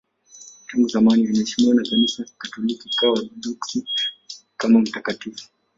Tangu zamani anaheshimiwa na Kanisa Katoliki na Waorthodoksi kama mtakatifu.